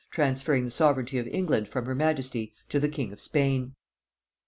transferring the sovereignty of England from her majesty to the king of Spain.